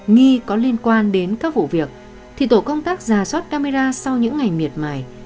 nghi có liên quan đến các vụ việc thì tổ công tác ra soát camera sau những ngày miệt mài